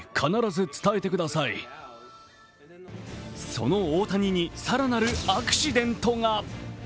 その大谷に、更なるアクシデントが。